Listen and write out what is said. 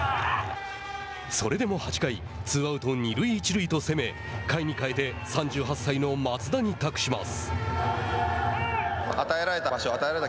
それでも８回ツーアウト、二塁一塁と攻め甲斐に代えて３８歳の松田に託します。